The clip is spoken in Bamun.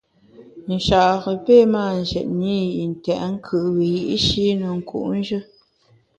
Nchare pe mâ njètne i yi ntèt nkùt wiyi’shi ne nku’njù.